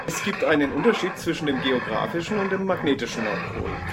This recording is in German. Es gibt einen Unterschied zwischen dem geografischen und dem magnetischen Nordpol.